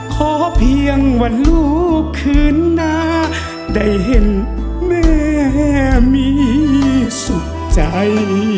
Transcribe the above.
ขอเพียงวันลูกคืนหน้าได้เห็นแม่มีสุขใจ